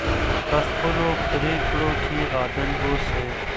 په خپلو پریکړو کې عادل اوسئ.